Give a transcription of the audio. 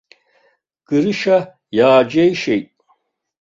Грышьа иааџьеишьеит.